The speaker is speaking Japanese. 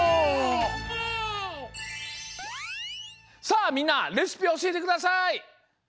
さあみんなレシピおしえてください。